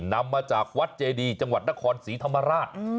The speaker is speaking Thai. นำมาจากวัดเจดีจังหวัดนครศรีธรรมราช